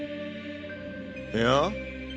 いや。